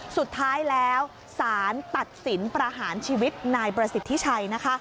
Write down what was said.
สุดท้ายแล้วสารตัดสินประหารชีวิตนายประสิทธิชัยนะคะ